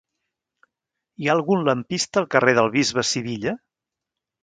Hi ha algun lampista al carrer del Bisbe Sivilla?